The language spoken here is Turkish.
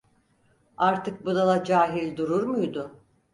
Artık budala cahil durur muydu?